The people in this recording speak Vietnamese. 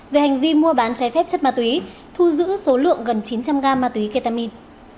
về hành vi mua bán trái phép chất ma túy thu giữ số lượng gần chín trăm linh gram ma túy ketamin